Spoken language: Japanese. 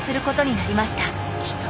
きた！